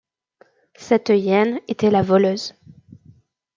Cette hyène était la voleuse.